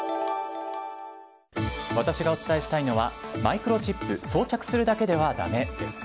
私がお伝えしたいのはマイクロチップ装着するだけではだめです。